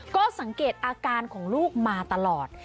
ก็สังเกตอาการของลูกมาตลอด